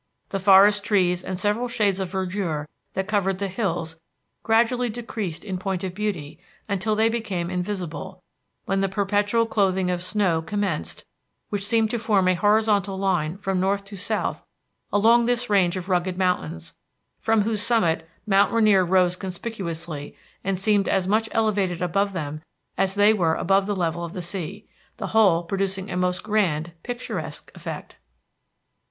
The forest trees and the several shades of verdure that covered the hills gradually decreased in point of beauty until they became invisible; when the perpetual clothing of snow commenced which seemed to form a horizontal line from north to south along this range of rugged mountains, from whose summit mount Rainier rose conspicuously, and seemed as much elevated above them as they were above the level of the sea; the whole producing a most grand, picturesque effect."